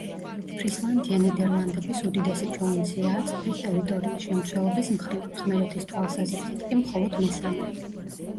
ფრისლანდია ნიდერლანდების უდიდესი პროვინციაა წყლის ტერიტორიის შემცველობის მხრივ, ხმელეთის თვალსაზრისით კი მხოლოდ მესამე.